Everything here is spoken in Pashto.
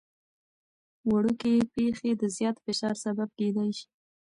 وړوکي پېښې د زیات فشار سبب کېدای شي.